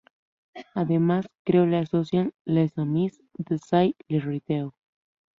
Además, creó la asociación "Les Amis d’Azay-le-Rideau".